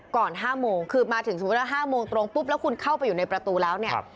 ก่อน๕โมงคือมาถึง๕โมงตรงปุ๊บแล้วคุณเข้าไปอยู่ในประตูแล้วเนี่ย